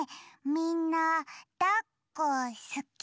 みんなだっこすき？